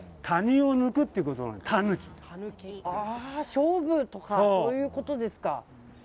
勝負とかそういうことですか。